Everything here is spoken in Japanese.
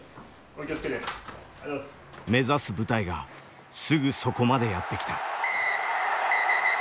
目指す舞台がすぐそこまでやって来た。